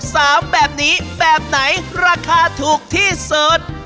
สามแบบนี้แบบไหนราคาถูกที่สุด